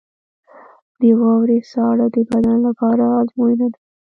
• د واورې ساړه د بدن لپاره ازموینه ده.